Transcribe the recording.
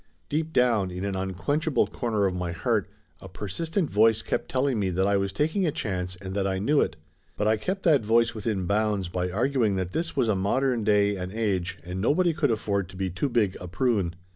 Deep down in an unquench able corner of my heart a persistent voice kept telling me that I was taking a chance and that I knew it. But I kept that voice within bounds by arguing that this was a modern day and age and nobody could afford to be too big a prune.